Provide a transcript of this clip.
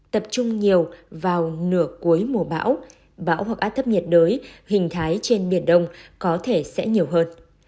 tập trung nhiều vào nửa cuối mùa bão bão hoặc áp thấp nhiệt đới hình thái trên biển đông có thể sẽ nhiều hơn